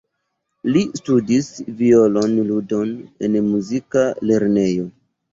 Li studis violon-ludon en muzika lernejo.